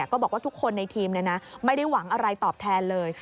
ก็บอกว่าทุกคนในทีมไม่ได้หวังอะไรตอบแทนเลย